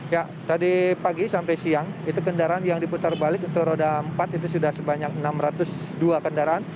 ya tadi pagi sampai siang itu kendaraan yang diputar balik itu roda empat itu sudah sebanyak enam ratus dua kendaraan